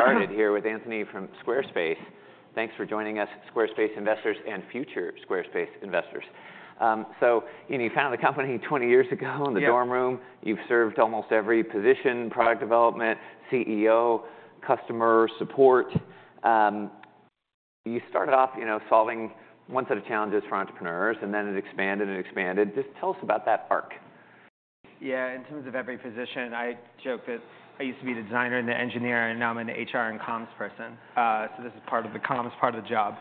Started here with Anthony from Squarespace. Thanks for joining us, Squarespace investors and future Squarespace investors. So, and you founded the company 20 years ago- Yeah. -in the dorm room. You've served almost every position: product development, CEO, customer support. You started off, you know, solving one set of challenges for entrepreneurs, and then it expanded and expanded. Just tell us about that arc. Yeah, in terms of every position, I joke that I used to be the designer and the engineer, and now I'm an HR and comms person. So this is part of the comms part of the job.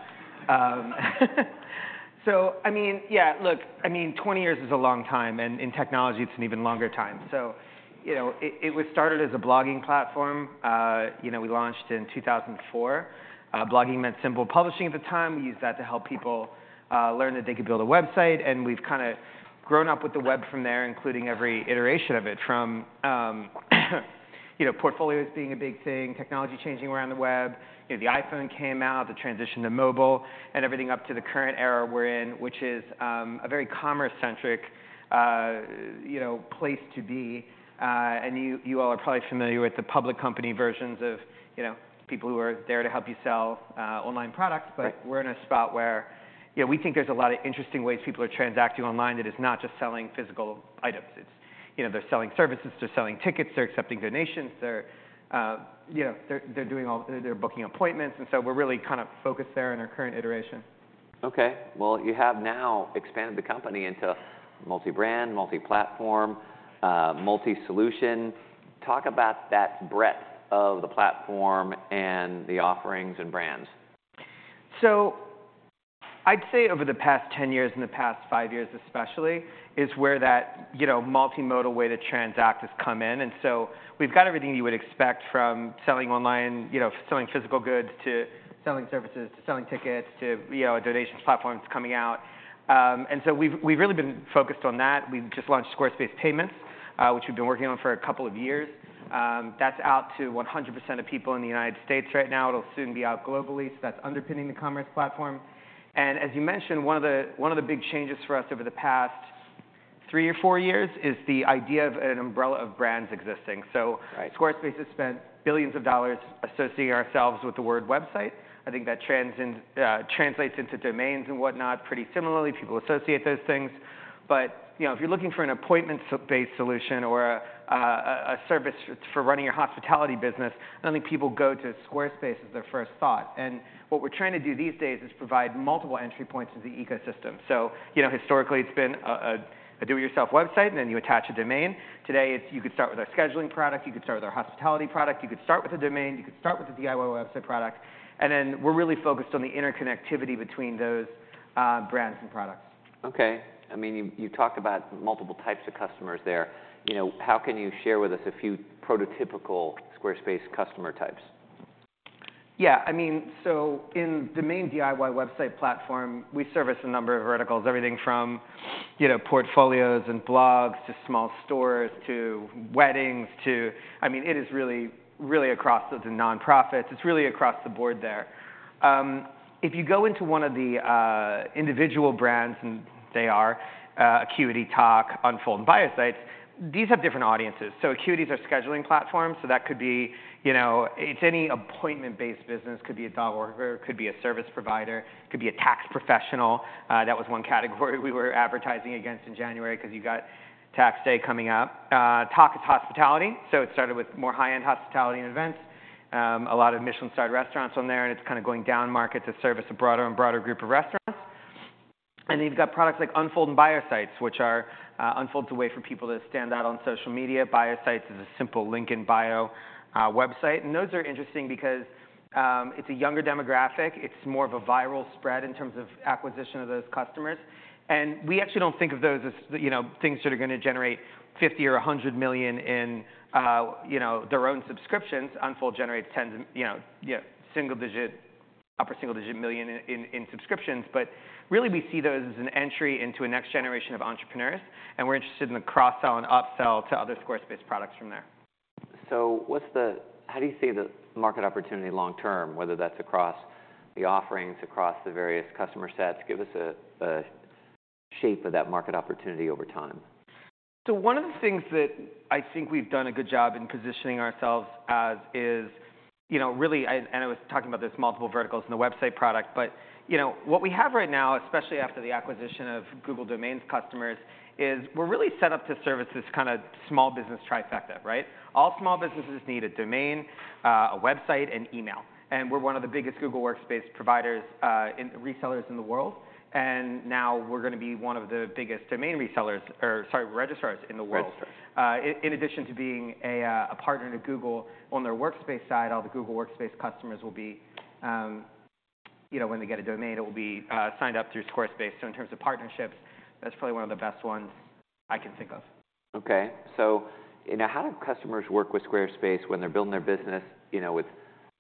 So I mean, yeah, look, I mean, 20 years is a long time, and in technology, it's an even longer time. So you know, it was started as a blogging platform. You know, we launched in 2004. Blogging meant simple publishing at the time. We used that to help people learn that they could build a website, and we've kinda grown up with the web from there, including every iteration of it, from you know, portfolios being a big thing, technology changing around the web. You know, the iPhone came out, the transition to mobile and everything up to the current era we're in, which is, a very commerce-centric, you know, place to be. And you, you all are probably familiar with the public company versions of, you know, people who are there to help you sell, online products. Right. But we're in a spot where, you know, we think there's a lot of interesting ways people are transacting online that is not just selling physical items. It's, you know, they're selling services, they're selling tickets, they're accepting donations. They're, you know, they're doing all—they're booking appointments, and so we're really kind of focused there in our current iteration. Okay. Well, you have now expanded the company into multi-brand, multi-platform, multi-solution. Talk about that breadth of the platform and the offerings and brands. So I'd say over the past 10 years, and the past five years especially, is where that, you know, multimodal way to transact has come in. And so we've got everything you would expect from selling online, you know, selling physical goods, to selling services, to selling tickets, to, you know, a donations platform's coming out. And so we've really been focused on that. We've just launched Squarespace Payments, which we've been working on for a couple of years. That's out to 100% of people in the United States right now. It'll soon be out globally, so that's underpinning the commerce platform. And as you mentioned, one of the big changes for us over the past three or four years is the idea of an umbrella of brands existing. Right. So Squarespace has spent $ billions associating ourselves with the word website. I think that translates into domains and whatnot. Pretty similarly, people associate those things. But, you know, if you're looking for an appointment-based solution or a service for running your hospitality business, I don't think people go to Squarespace as their first thought. What we're trying to do these days is provide multiple entry points into the ecosystem. So, you know, historically, it's been a do-it-yourself website, and then you attach a domain. Today, it's you could start with our scheduling product, you could start with our hospitality product, you could start with a domain, you could start with a DIY website product. And then we're really focused on the interconnectivity between those brands and products. Okay. I mean, you talked about multiple types of customers there. You know, how can you share with us a few prototypical Squarespace customer types? Yeah. I mean, so in the main DIY website platform, we service a number of verticals. Everything from, you know, portfolios and blogs, to small stores, to weddings, to... I mean, it is really, really across to the nonprofits. It's really across the board there. If you go into one of the individual brands, and they are Acuity, Tock, Unfold, and Bio Sites, these have different audiences. So Acuity is our scheduling platform, so that could be, you know, it's any appointment-based business. Could be a dog walker, could be a service provider, could be a tax professional. That was one category we were advertising against in January 'cause you got Tax Day coming up. Tock is hospitality, so it started with more high-end hospitality and events. A lot of Michelin-starred restaurants on there, and it's kind of going down market to service a broader and broader group of restaurants. You've got products like Unfold and Bio Sites, which are. Unfold is a way for people to stand out on social media. Bio Sites is a simple link-in-bio website. Those are interesting because it's a younger demographic. It's more of a viral spread in terms of acquisition of those customers, and we actually don't think of those as, you know, things that are gonna generate $50 million or $100 million in, you know, their own subscriptions. Unfold generates single digit-upper single digit million in subscriptions. But really, we see those as an entry into a next generation of entrepreneurs, and we're interested in the cross-sell and upsell to other Squarespace products from there. So, how do you see the market opportunity long term, whether that's across the offerings, across the various customer sets? Give us a shape of that market opportunity over time. So one of the things that I think we've done a good job in positioning ourselves as is, you know, really... And I was talking about there's multiple verticals in the website product, but, you know, what we have right now, especially after the acquisition of Google Domains customers, is we're really set up to service this kind of small business trifecta, right? All small businesses need a domain, a website, and email, and we're one of the biggest Google Workspace providers, and resellers in the world. And now we're gonna be one of the biggest domain resellers, or sorry, registrars in the world. Registrars. In addition to being a partner to Google on their Workspace side, all the Google Workspace customers will be, you know, when they get a domain, it will be signed up through Squarespace. So in terms of partnerships, that's probably one of the best ones I can think of. Okay. So, you know, how do customers work with Squarespace when they're building their business, you know, with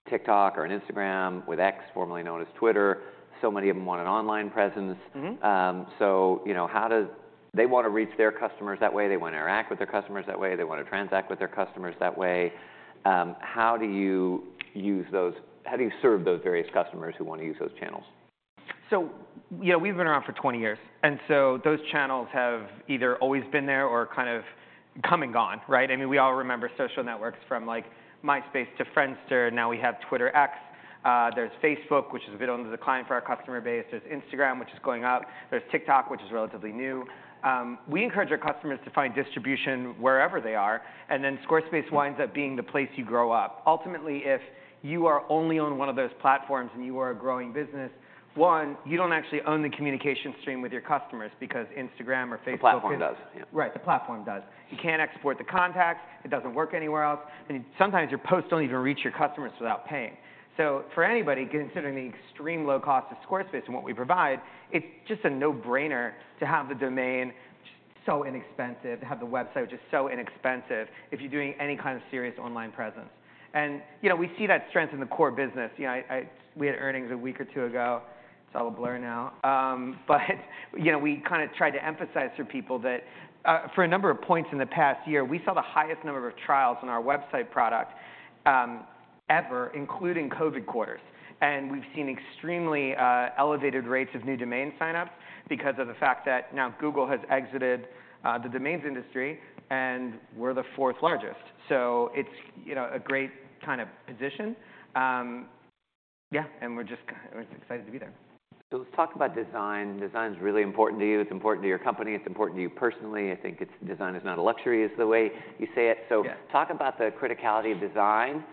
TikTok or an Instagram, with X, formerly known as Twitter? So many of them want an online presence. Mm-hmm. So, you know, they want to reach their customers that way, they want to interact with their customers that way, they want to transact with their customers that way. How do you serve those various customers who want to use those channels?... So, yeah, we've been around for 20 years, and so those channels have either always been there or kind of come and gone, right? I mean, we all remember social networks from, like, MySpace to Friendster, now we have Twitter X. There's Facebook, which has been on the decline for our customer base. There's Instagram, which is going up. There's TikTok, which is relatively new. We encourage our customers to find distribution wherever they are, and then Squarespace winds up being the place you grow up. Ultimately, if you are only on one of those platforms and you are a growing business, one, you don't actually own the communication stream with your customers because Instagram or Facebook. The platform does. Yeah. Right, the platform does. You can't export the contacts, it doesn't work anywhere else, and sometimes your posts don't even reach your customers without paying. So for anybody considering the extreme low cost of Squarespace and what we provide, it's just a no-brainer to have the domain just so inexpensive, to have the website just so inexpensive if you're doing any kind of serious online presence. And, you know, we see that strength in the core business. You know, we had earnings a week or two ago, it's all a blur now. But you know, we kinda tried to emphasize for people that, for a number of points in the past year, we saw the highest number of trials on our website product, ever, including COVID quarters. And we've seen extremely elevated rates of new domain signups because of the fact that now Google has exited the domains industry, and we're the fourth largest. So it's, you know, a great kind of position. Yeah, and we're just excited to be there. So let's talk about design. Design is really important to you. It's important to your company, it's important to you personally. I think design is not a luxury, is the way you say it. Yeah. So talk about the criticality of design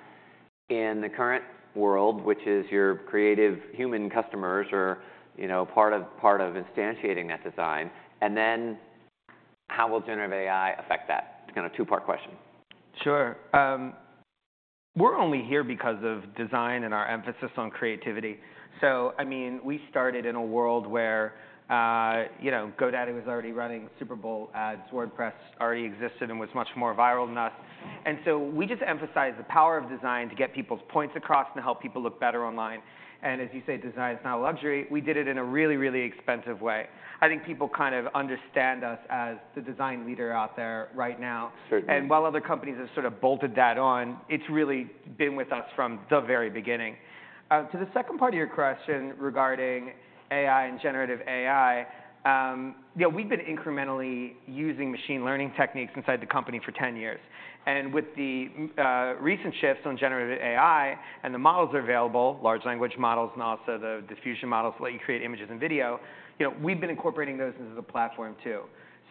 in the current world, which is your creative human customers are, you know, part of, part of instantiating that design. And then how will generative AI affect that? It's kind of a two-part question. Sure, we're only here because of design and our emphasis on creativity. So I mean, we started in a world where, you know, GoDaddy was already running Super Bowl ads, WordPress already existed and was much more viral than us. And so we just emphasized the power of design to get people's points across and to help people look better online. And as you say, design is not a luxury. We did it in a really, really expensive way. I think people kind of understand us as the design leader out there right now. Certainly. And while other companies have sort of bolted that on, it's really been with us from the very beginning. To the second part of your question regarding AI and generative AI, you know, we've been incrementally using machine learning techniques inside the company for 10 years. With the recent shifts on generative AI and the models are available, large language models, and also the diffusion models that let you create images and video, you know, we've been incorporating those into the platform, too.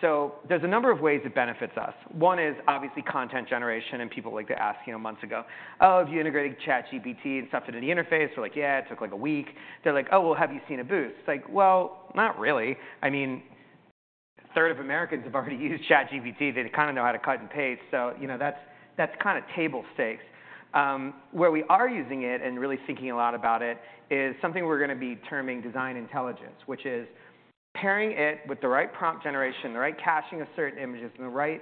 So there's a number of ways it benefits us. One is obviously content generation, and people like to ask, you know, months ago, "Oh, have you integrated ChatGPT and stuffed it in the interface?" We're like: Yeah, it took, like, a week. They're like: "Oh, well, have you seen a boost?" It's like: Well, not really. I mean, a third of Americans have already used ChatGPT. They kind of know how to cut and paste, so, you know, that's kind of table stakes. Where we are using it and really thinking a lot about it is something we're gonna be terming Design Intelligence, which is pairing it with the right prompt generation, the right caching of certain images, and the right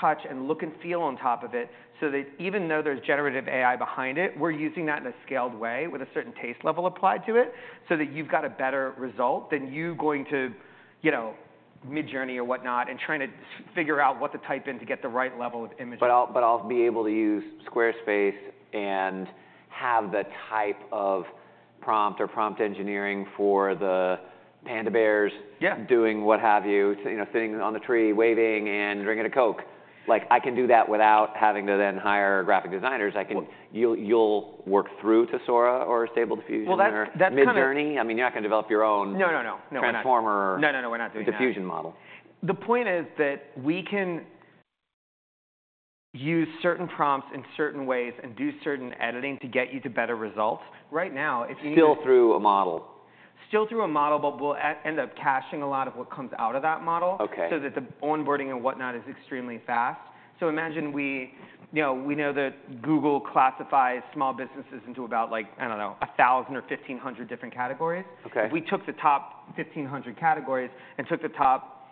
touch and look and feel on top of it. So that even though there's Generative AI behind it, we're using that in a scaled way with a certain taste level applied to it, so that you've got a better result than you going to, you know, Midjourney or whatnot, and trying to figure out what to type in to get the right level of imaging. But I'll be able to use Squarespace and have the type of prompt or prompt engineering for the panda bears- Yeah... doing what have you, to, you know, sitting on the tree, waving, and drinking a Coke. Like, I can do that without having to then hire graphic designers. Well- You'll work through to Sora or Stable Diffusion- Well, that's kind of- or Midjourney? I mean, you're not gonna develop your own- No, no, no. We're not- - transformer- No, no, no, we're not doing that.... diffusion model. The point is that we can use certain prompts in certain ways and do certain editing to get you to better results. Right now, if you- Still through a model? Still through a model, but we'll end up caching a lot of what comes out of that model- Okay... so that the onboarding and whatnot is extremely fast. So imagine we, you know, we know that Google classifies small businesses into about, like, I don't know, 1,000 or 1,500 different categories. Okay. If we took the top 1,500 categories and took the top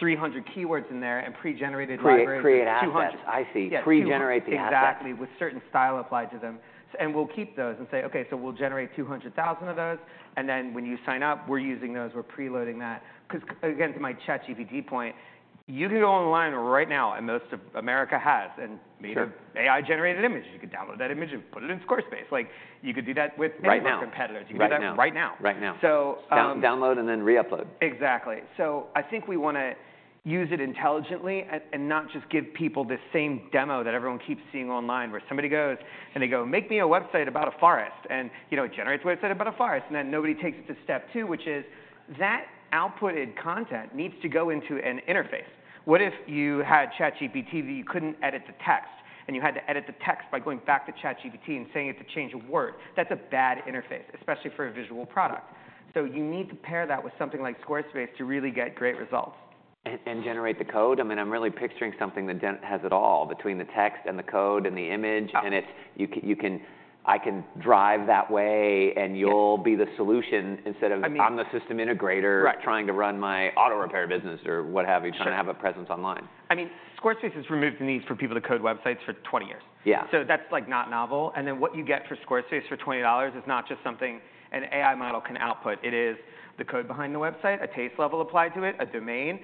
300 keywords in there and pre-generated libraries of 200- Create, create assets. I see. Yeah, two- Pre-generate the assets. Exactly, with certain style applied to them. And we'll keep those and say, "Okay, so we'll generate 200,000 of those, and then when you sign up, we're using those, we're preloading that." 'Cause again, to my ChatGPT point, you can go online right now, and most of America has, and make- Sure... AI-generated images. You can download that image and put it in Squarespace. Like, you could do that with many- Right now... of our competitors. Right now. You can do that right now. Right now. So, um- Download and then re-upload. Exactly. So I think we wanna use it intelligently and not just give people the same demo that everyone keeps seeing online, where somebody goes and they go, "Make me a website about a forest." And, you know, it generates a website about a forest, and then nobody takes it to step two, which is that outputted content needs to go into an interface. What if you had ChatGPT, but you couldn't edit the text, and you had to edit the text by going back to ChatGPT and saying, "Change a word"? That's a bad interface, especially for a visual product. So you need to pair that with something like Squarespace to really get great results. And generate the code? I mean, I'm really picturing something that then has it all, between the text and the code and the image. Yeah. And it's, I can drive that way, and- Yeah... you'll be the solution instead of- I mean-... I'm the system integrator- Right... trying to run my auto repair business or what have you- Sure... trying to have a presence online. I mean, Squarespace has removed the need for people to code websites for 20 years. Yeah. So that's, like, not novel. And then what you get for Squarespace for $20 is not just something an AI model can output. It is the code behind the website, a taste level applied to it, a domain,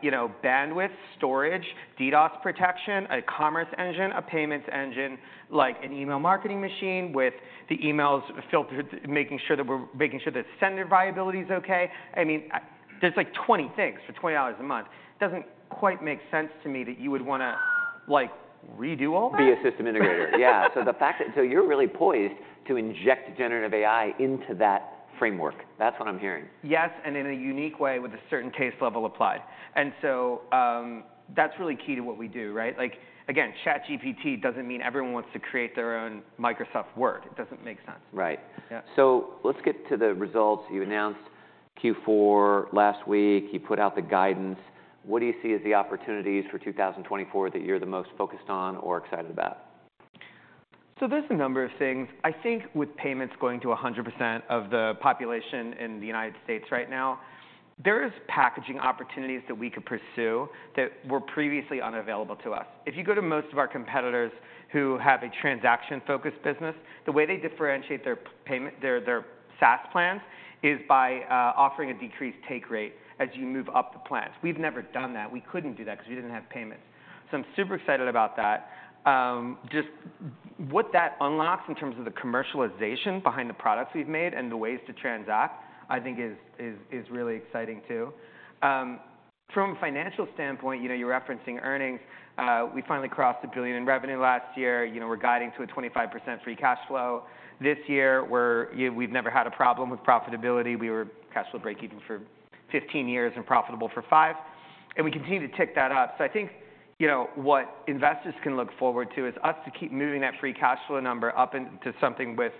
you know, bandwidth, storage, DDoS protection, a commerce engine, a payments engine, like, an email marketing machine with the emails filtered, making sure that sender viability is okay. I mean, there's, like, 20 things for $20 a month. It doesn't quite make sense to me that you would wanna like redo all that? Be a system integrator. Yeah, so you're really poised to inject generative AI into that framework. That's what I'm hearing. Yes, and in a unique way, with a certain taste level applied. So, that's really key to what we do, right? Like, again, ChatGPT doesn't mean everyone wants to create their own Microsoft Word. It doesn't make sense. Right. Yeah. Let's get to the results. You announced Q4 last week. You put out the guidance. What do you see as the opportunities for 2024 that you're the most focused on or excited about? So there's a number of things. I think with payments going to 100% of the population in the United States right now, there is packaging opportunities that we could pursue that were previously unavailable to us. If you go to most of our competitors who have a transaction-focused business, the way they differentiate their payment, their SaaS plans, is by offering a decreased take rate as you move up the plans. We've never done that. We couldn't do that because we didn't have payments. So I'm super excited about that. Just what that unlocks in terms of the commercialization behind the products we've made and the ways to transact, I think is really exciting too. From a financial standpoint, you know, you're referencing earnings. We finally crossed $1 billion in revenue last year. You know, we're guiding to a 25% free cash flow. This year we've never had a problem with profitability. We were cash flow breakeven for 15 years and profitable for five, and we continue to tick that up. So I think, you know, what investors can look forward to is us to keep moving that free cash flow number up into something with,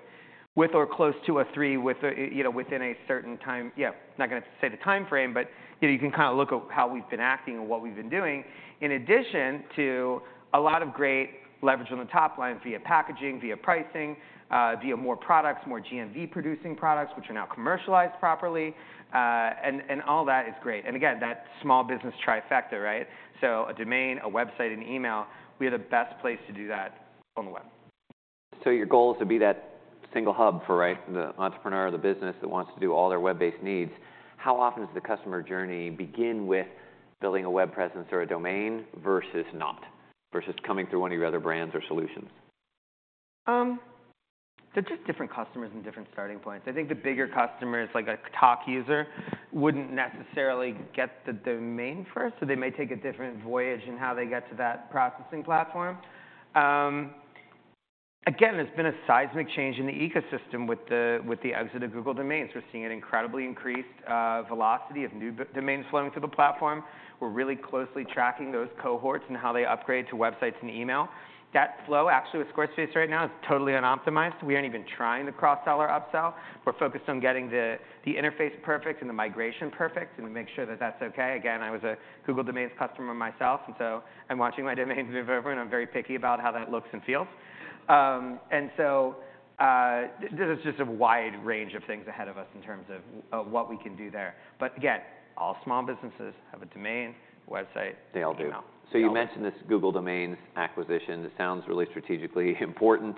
with or close to a 30, with, you know, within a certain time... Yeah, I'm not going to say the time frame, but, you know, you can kind of look at how we've been acting and what we've been doing, in addition to a lot of great leverage on the top line via packaging, via pricing, via more products, more GMV-producing products, which are now commercialized properly. And all that is great. And again, that small business trifecta, right? A domain, a website, and email, we are the best place to do that on the web. Your goal is to be that single hub for, right, the entrepreneur or the business that wants to do all their web-based needs. How often does the customer journey begin with building a web presence or a domain versus not, versus coming through one of your other brands or solutions? They're just different customers and different starting points. I think the bigger customers, like a Tock user, wouldn't necessarily get the domain first, so they may take a different voyage in how they get to that processing platform. Again, there's been a seismic change in the ecosystem with the exit of Google Domains. We're seeing an incredibly increased velocity of new domains flowing through the platform. We're really closely tracking those cohorts and how they upgrade to websites and email. That flow, actually, with Squarespace right now is totally unoptimized. We aren't even trying to cross-sell or upsell. We're focused on getting the interface perfect and the migration perfect, and we make sure that that's okay. Again, I was a Google Domains customer myself, and so I'm watching my domains move over, and I'm very picky about how that looks and feels. And so, there's just a wide range of things ahead of us in terms of, of what we can do there. But again, all small businesses have a domain, website- They all do.... email. So you mentioned this Google Domains acquisition. It sounds really strategically important.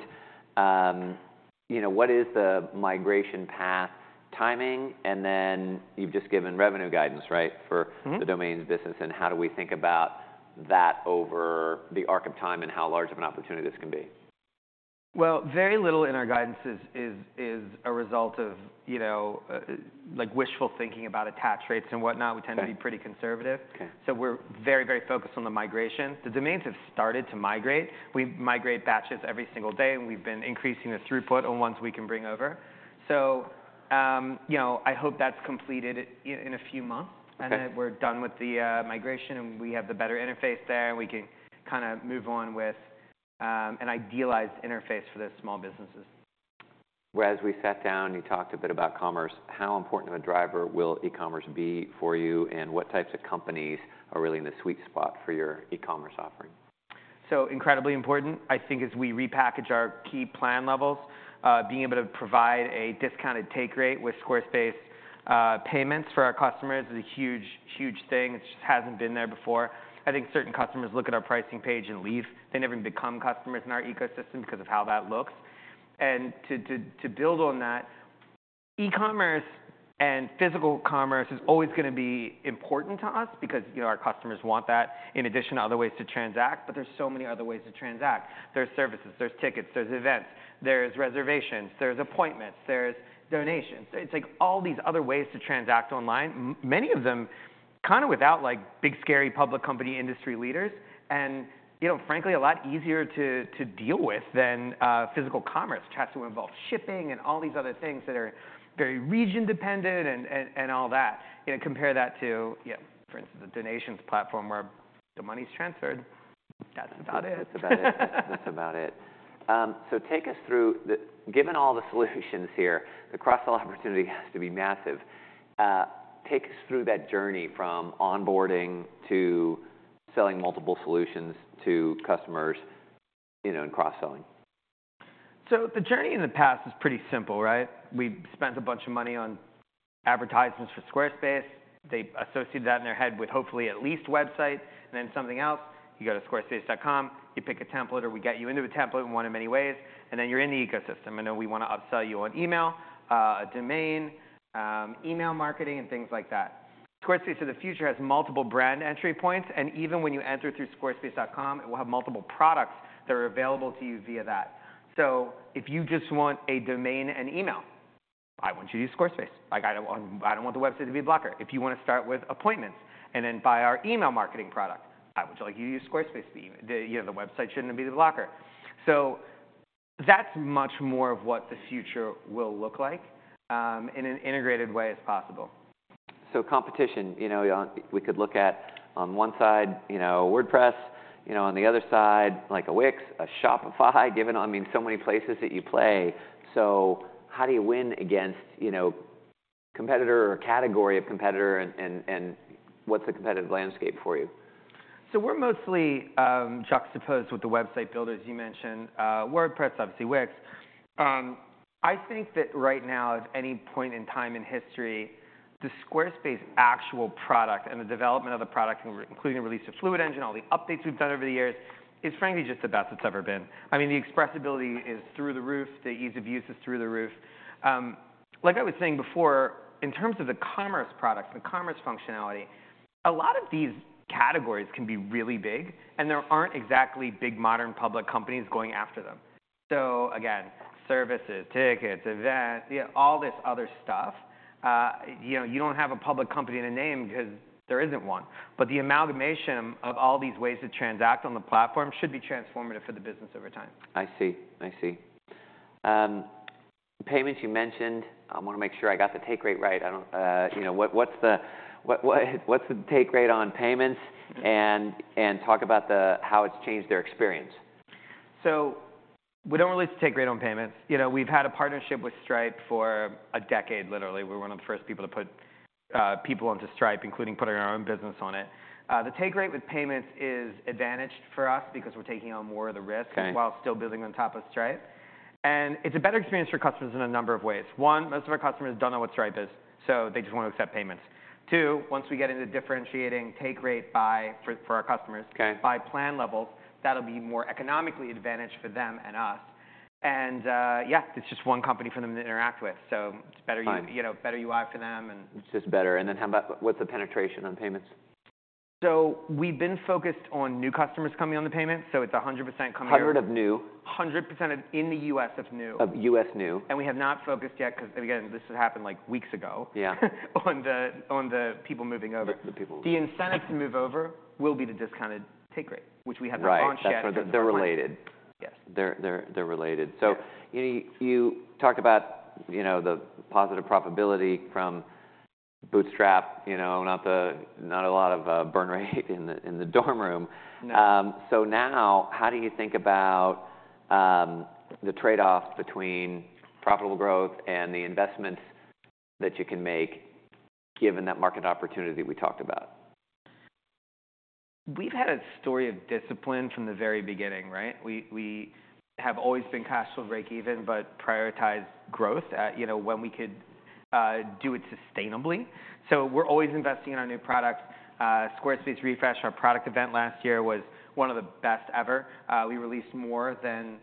You know, what is the migration path timing? And then you've just given revenue guidance, right- Mm-hmm... for the domains business, and how do we think about that over the arc of time, and how large of an opportunity this can be? Well, very little in our guidance is a result of, you know, like, wishful thinking about attach rates and whatnot. Okay. We tend to be pretty conservative. Okay. So we're very, very focused on the migration. The domains have started to migrate. We migrate batches every single day, and we've been increasing the throughput on ones we can bring over. So, you know, I hope that's completed in a few months- Okay... and then we're done with the migration, and we have the better interface there, and we can kind of move on with an idealized interface for the small businesses. When we sat down, you talked a bit about commerce. How important of a driver will e-commerce be for you, and what types of companies are really in the sweet spot for your e-commerce offering? So incredibly important. I think as we repackage our key plan levels, being able to provide a discounted take rate with Squarespace Payments for our customers is a huge, huge thing. It just hasn't been there before. I think certain customers look at our pricing page and leave. They never even become customers in our ecosystem because of how that looks. And to build on that, e-commerce and physical commerce is always gonna be important to us because, you know, our customers want that in addition to other ways to transact, but there's so many other ways to transact. There's services, there's tickets, there's events, there's reservations, there's appointments, there's donations. It's, like, all these other ways to transact online, many of them kind of without, like, big, scary public company industry leaders, and, you know, frankly, a lot easier to deal with than physical commerce, which has to involve shipping and all these other things that are very region-dependent and all that. You know, compare that to, you know, for instance, the donations platform where the money's transferred. That's about it. That's about it. That's about it. So take us through the... Given all the solutions here, the cross-sell opportunity has to be massive. Take us through that journey from onboarding to selling multiple solutions to customers, you know, and cross-selling. So the journey in the past is pretty simple, right? We've spent a bunch of money on advertisements for Squarespace. They associated that in their head with hopefully at least website and then something else. You go to Squarespace.com, you pick a template, or we get you into a template in one of many ways, and then you're in the ecosystem, and then we want to upsell you on email, a domain, email marketing, and things like that. Squarespace of the future has multiple brand entry points, and even when you enter through Squarespace.com, it will have multiple products that are available to you via that. So if you just want a domain and email... I want you to use Squarespace. Like, I don't want, I don't want the website to be a blocker. If you wanna start with appointments and then buy our email marketing product, I would like you to use Squarespace for the email. The, you know, the website shouldn't be the blocker. So that's much more of what the future will look like in an integrated way as possible. So competition, you know, we could look at on one side, you know, WordPress, you know, on the other side, like a Wix, a Shopify, given, I mean, so many places that you play. So how do you win against, you know, competitor or category of competitor, and, and, and what's the competitive landscape for you? So we're mostly juxtaposed with the website builders you mentioned, WordPress, obviously Wix. I think that right now, at any point in time in history, the Squarespace actual product and the development of the product, including the release of Fluid Engine, all the updates we've done over the years, is frankly just the best it's ever been. I mean, the expressibility is through the roof, the ease of use is through the roof. Like I was saying before, in terms of the commerce products, the commerce functionality, a lot of these categories can be really big, and there aren't exactly big modern public companies going after them. So again, services, tickets, events, yeah, all this other stuff, you know, you don't have a public company and a name because there isn't one. The amalgamation of all these ways to transact on the platform should be transformative for the business over time. I see. I see. Payments, you mentioned, I wanna make sure I got the take rate right. I don't... You know, what's the take rate on payments? And talk about how it's changed their experience. So we don't release the take rate on payments. You know, we've had a partnership with Stripe for a decade, literally. We're one of the first people to put people onto Stripe, including putting our own business on it. The take rate with payments is advantaged for us because we're taking on more of the risk- Okay... while still building on top of Stripe. It's a better experience for customers in a number of ways. One, most of our customers don't know what Stripe is, so they just wanna accept payments. Two, once we get into differentiating take rate by, for our customers- Okay... by plan levels, that'll be more economically advantaged for them and us. And, yeah, it's just one company for them to interact with, so it's better- Fine... you know, better UI for them, and- It's just better. And then how about, what's the penetration on payments? We've been focused on new customers coming on the payment, so it's 100% coming here. Hundreds of new? 100% of in the U.S. That's new. Of U.S. new. We have not focused yet, 'cause, again, this has happened like weeks ago- Yeah... on the people moving over. The people- The incentive to move over will be the discounted take rate, which we have not launched yet. Right. That's where they're related. Yes. They're related. Yeah. So, you talked about, you know, the positive profitability from bootstrap, you know, not a lot of burn rate in the dorm room. No. So now, how do you think about the trade-off between profitable growth and the investments that you can make, given that market opportunity we talked about? We've had a story of discipline from the very beginning, right? We have always been cash flow breakeven, but prioritize growth at, you know, when we could, do it sustainably. So we're always investing in our new products. Squarespace Refresh, our product event last year, was one of the best ever. We released more than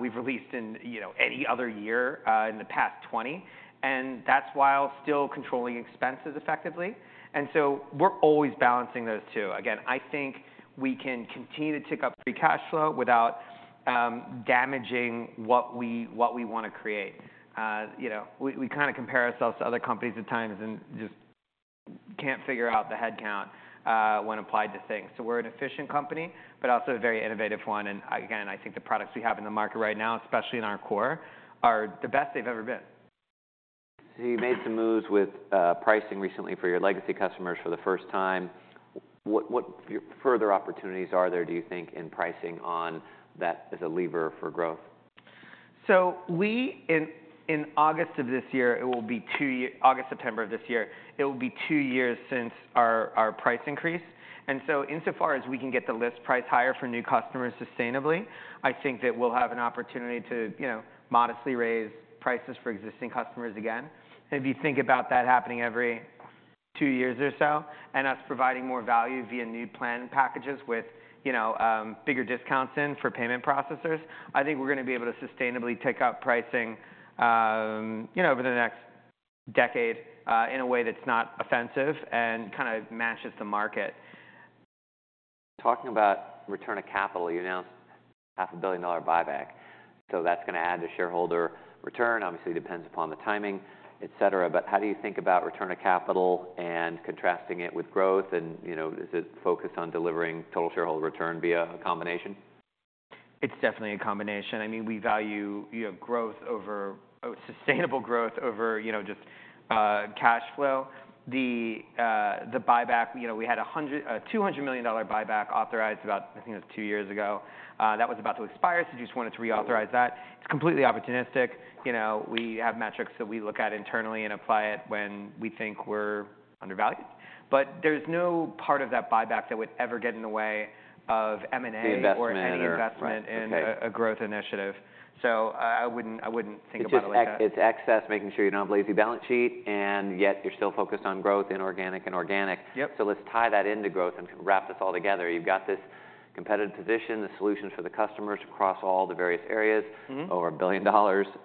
we've released in, you know, any other year, in the past 20, and that's while still controlling expenses effectively. And so we're always balancing those two. Again, I think we can continue to tick up free cash flow without damaging what we wanna create. You know, we kinda compare ourselves to other companies at times and just can't figure out the headcount, when applied to things. So we're an efficient company, but also a very innovative one. Again, I think the products we have in the market right now, especially in our core, are the best they've ever been. So you made some moves with pricing recently for your legacy customers for the first time. What, what further opportunities are there, do you think, in pricing on that as a lever for growth? So, in August, September of this year, it will be two years since our price increase. And so insofar as we can get the list price higher for new customers sustainably, I think that we'll have an opportunity to, you know, modestly raise prices for existing customers again. If you think about that happening every two years or so, and us providing more value via new plan packages with, you know, bigger discounts in for payment processors, I think we're gonna be able to sustainably tick up pricing, you know, over the next decade, in a way that's not offensive and kinda matches the market. Talking about return of capital, you announced $500 million buyback, so that's gonna add to shareholder return. Obviously, depends upon the timing, et cetera. But how do you think about return of capital and contrasting it with growth? And, you know, is it focused on delivering total shareholder return via a combination? It's definitely a combination. I mean, we value, you know, sustainable growth over, you know, just cash flow. The buyback, you know, we had a $200 million buyback authorized about, I think it was two years ago. That was about to expire, so just wanted to reauthorize that. It's completely opportunistic. You know, we have metrics that we look at internally and apply it when we think we're undervalued. But there's no part of that buyback that would ever get in the way of M&A- The investment or-... or any investment- Right. Okay... in a growth initiative. So I wouldn't think about it like that. It's just, it's excess, making sure you don't have a lazy balance sheet, and yet you're still focused on growth, inorganic and organic. Yep. Let's tie that into growth and wrap this all together. You've got this competitive position, the solutions for the customers across all the various areas. Mm-hmm. Over $1 billion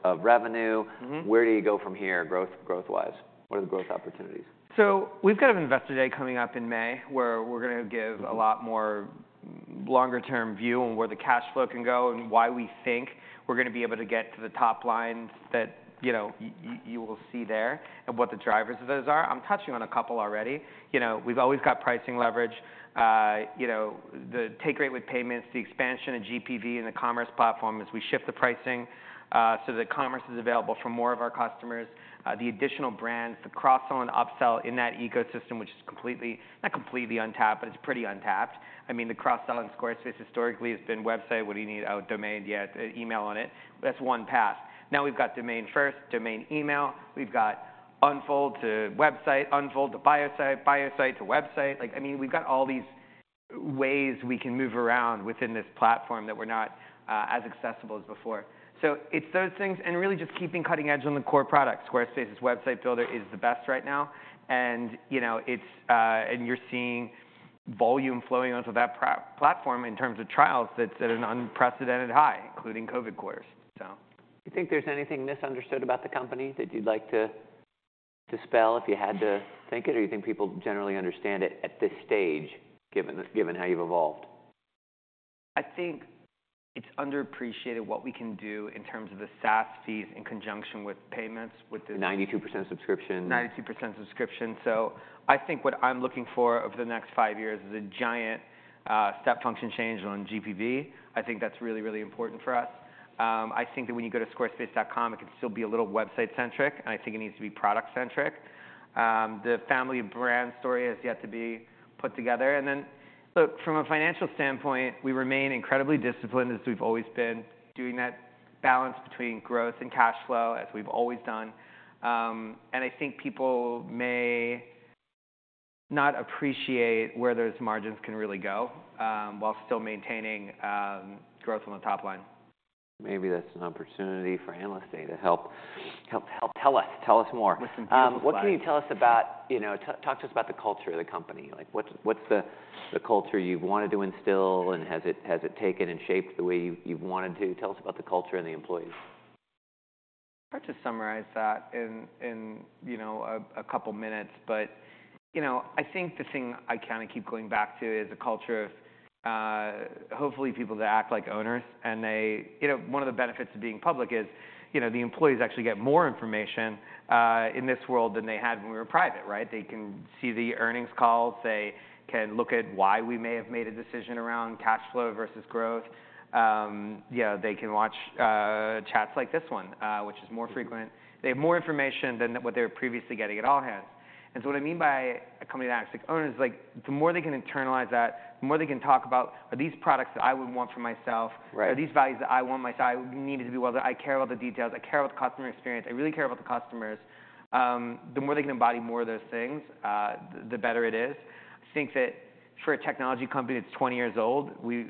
of revenue. Mm-hmm. Where do you go from here, growth, growth-wise? What are the growth opportunities? So we've got an investor day coming up in May, where we're gonna give- Mm-hmm a lot more longer-term view on where the cash flow can go, and why we think we're gonna be able to get to the top line that, you know, you will see there, and what the drivers of those are. I'm touching on a couple already. You know, we've always got pricing leverage, you know, the take rate with payments, the expansion of GPV in the commerce platform as we shift the pricing, so that commerce is available for more of our customers. The additional brands, the cross-sell and upsell in that ecosystem, which is completely not completely untapped, but it's pretty untapped. I mean, the cross-sell on Squarespace historically has been website. What do you need? Oh, domain, yeah, email on it. That's one path. Now, we've got domain first, domain email. We've got Unfold to website, Unfold to Bio Sites, Bio Sites to website. Like, I mean, we've got all these ways we can move around within this platform that were not as accessible as before. So it's those things, and really just keeping cutting edge on the core product. Squarespace's website builder is the best right now, and, you know, it's... And you're seeing volume flowing onto that platform in terms of trials that's at an unprecedented high, including COVID quarters, so. Do you think there's anything misunderstood about the company that you'd like to spell if you had to think it? Or do you think people generally understand it at this stage, given how you've evolved? I think it's underappreciated what we can do in terms of the SaaS fees in conjunction with payments, with the- 92% subscription. 92% subscription. So I think what I'm looking for over the next five years is a giant step function change on GPV. I think that's really, really important for us. I think that when you go to Squarespace.com, it can still be a little website-centric, and I think it needs to be product-centric. The family brand story is yet to be put together. And then, look, from a financial standpoint, we remain incredibly disciplined, as we've always been, doing that balance between growth and cash flow, as we've always done. And I think people may not appreciate where those margins can really go while still maintaining growth on the top line. Maybe that's an opportunity for analyst day to help tell us more. With some beautiful slides. What can you tell us about... You know, talk to us about the culture of the company. Like, what's the culture you've wanted to instill, and has it taken and shaped the way you've wanted to? Tell us about the culture and the employees. Hard to summarize that in, you know, a couple minutes, but, you know, I think the thing I kinda keep going back to is a culture of hopefully people that act like owners, and they... You know, one of the benefits of being public is, you know, the employees actually get more information in this world than they had when we were private, right? They can see the earnings calls. They can look at why we may have made a decision around cash flow versus growth. Yeah, they can watch chats like this one, which is more frequent. They have more information than what they were previously getting at all hands. So what I mean by a company that acts like owners, like, the more they can internalize that, the more they can talk about, "Are these products that I would want for myself? Right. Are these values that I want myself—I need to do well? I care about the details. I care about the customer experience. I really care about the customers." The more they can embody more of those things, the better it is. I think that for a technology company that's 20 years old, we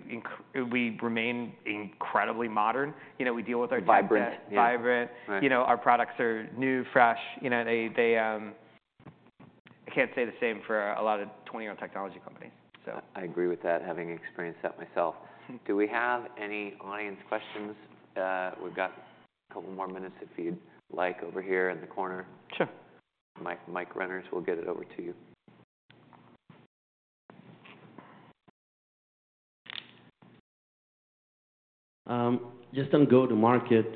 remain incredibly modern. You know, we deal with our- Vibrant. Vibrant. Right. You know, our products are new, fresh. You know, they I can't say the same for a lot of 20-year-old technology companies, so. I agree with that, having experienced that myself. Mm. Do we have any audience questions? We've got a couple more minutes, if you'd like, over here in the corner. Sure. Mic, mic runners, we'll get it over to you. Just on go-to-market,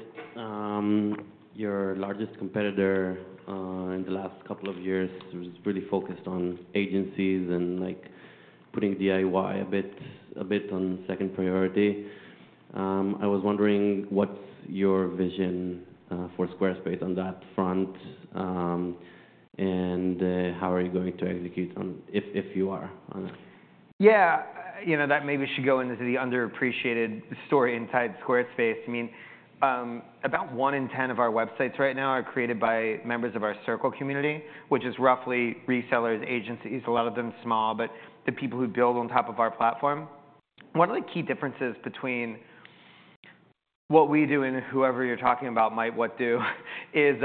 your largest competitor in the last couple of years was really focused on agencies and, like, putting DIY a bit, a bit on second priority. I was wondering, what's your vision for Squarespace on that front? And, how are you going to execute on... If, if you are, on that? Yeah. You know, that maybe should go into the underappreciated story inside Squarespace. I mean, about one in ten of our websites right now are created by members of our Circle community, which is roughly resellers, agencies, a lot of them small, but the people who build on top of our platform. One of the key differences between what we do and whoever you're talking about, might what do, is,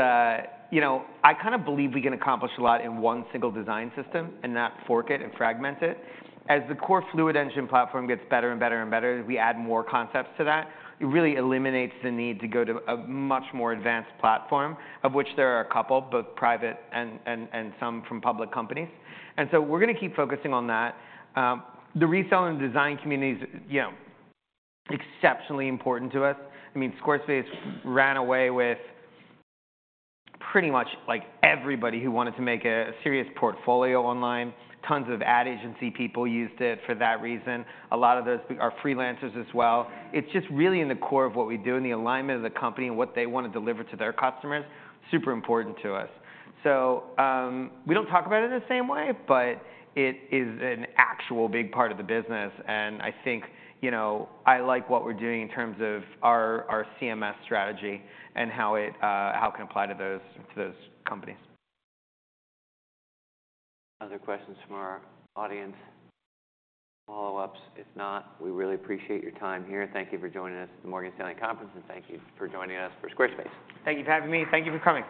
you know, I kind of believe we can accomplish a lot in one single design system and not fork it and fragment it. As the core Fluid Engine platform gets better and better and better, we add more concepts to that. It really eliminates the need to go to a much more advanced platform, of which there are a couple, both private and, and, and some from public companies. And so we're gonna keep focusing on that. The reseller and design community is, you know, exceptionally important to us. I mean, Squarespace ran away with pretty much, like, everybody who wanted to make a serious portfolio online. Tons of ad agency people used it for that reason. A lot of those are freelancers as well. It's just really in the core of what we do, and the alignment of the company, and what they want to deliver to their customers, super important to us. So, we don't talk about it in the same way, but it is an actual big part of the business, and I think, you know, I like what we're doing in terms of our CMS strategy and how it, how it can apply to those, to those companies. Other questions from our audience? Follow-ups? If not, we really appreciate your time here. Thank you for joining us at the Morgan Stanley Conference, and thank you for joining us for Squarespace. Thank you for having me, and thank you for coming.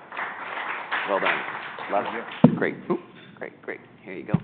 Well done. Love it. Great. Ooh, great, great. Here you go.